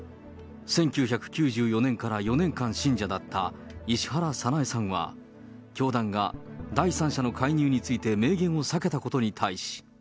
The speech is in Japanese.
１９９４年から４年間信者だった石原早苗さんは、教団が第三者の介入について明言を避けたことに対し。